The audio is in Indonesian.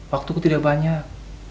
waktuku tidak banyak